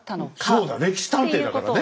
そうだ「歴史探偵」だからね。